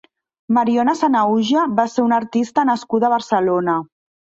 Mariona Sanahuja va ser una artista nascuda a Barcelona.